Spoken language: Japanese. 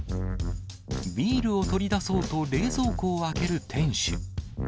ビールを取り出そうと冷蔵庫を開ける店主。